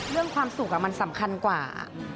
เรื่องความสุขมันสำคัญกว่า